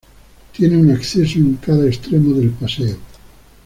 Tiene un acceso en cada extremo del paseo.